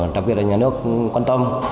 đặc biệt là nhà nước cũng quan tâm